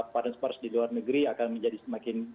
pada sebaras di luar negeri akan menjadi semakin